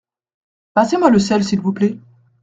Passez-moi le sel s’il vous plait.